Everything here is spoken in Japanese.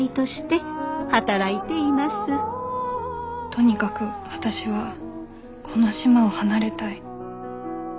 とにかく私はこの島を離れたい。